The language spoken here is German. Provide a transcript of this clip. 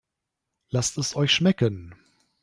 Lasst es euch schmecken!